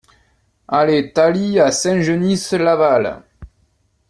Allée Thalie à Saint-Genis-Laval